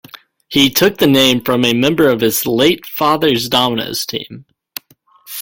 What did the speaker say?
He took the name from a member of his late father's dominoes team.